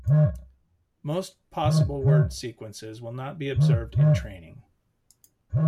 Most possible word sequences will not be observed in training.